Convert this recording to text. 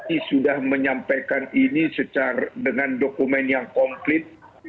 kami sudah menyampaikan ini dengan dokumen yang komplit